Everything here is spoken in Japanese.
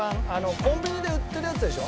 コンビニで売ってるやつでしょ？